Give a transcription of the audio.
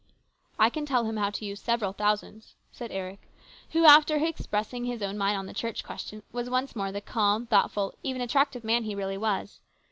" I can tell him how to use several thousands," said Eric, who, after expressing his own mind on the Church question, was once more the calm, thoughtful, cvni attractive man he really was.